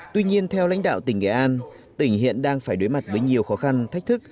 tuy nhiên theo lãnh đạo tỉnh nghệ an tỉnh hiện đang phải đối mặt với nhiều khó khăn thách thức